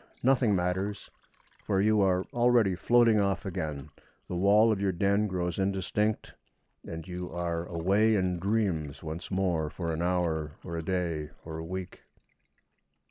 Nothing matters; for you are already floating off again, the wall of your den grows indistinct, and you are away in dreams once more for an hour, or a day, or a week.